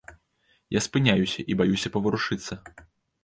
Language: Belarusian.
Я спыняюся і баюся паварушыцца.